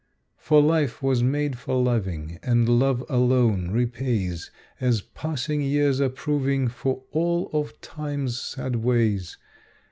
For life was made for loving, and love alone repays, As passing years are proving, for all of Time's sad ways.